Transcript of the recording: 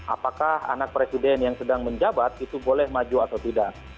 apakah anak presiden yang sedang menjabat itu boleh maju atau tidak